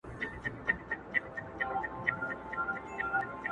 o نه یې خدای او نه یې خلګو ته مخ تور سي,